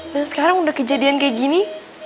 dan sekarang udah kejadian kayak gini